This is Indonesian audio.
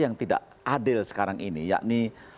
yang tidak adil sekarang ini yakni